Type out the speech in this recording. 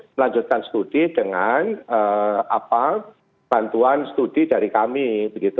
melanjutkan studi dengan bantuan studi dari kami